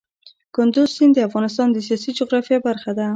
کندز سیند د افغانستان د سیاسي جغرافیه برخه ده.